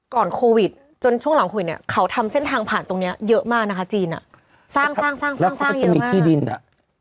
ก่อนโควิดจนช่วงหลังโควิดเนี้ยเขาทำเส้นทางผ่านตรงเนี้ยเยอะมากนะคะจีนอ่ะสร้างสร้างสร้างสร้างเยอะมากแล้วเขาก็จะมีที่ดินอ่ะ